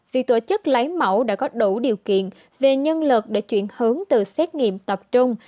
việc tổ chức lấy mẫu đã có đủ điều kiện về nhân lực để chuyển hướng từ xét nghiệm tập trung